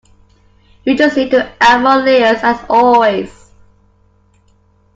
You just need to add more layers as always.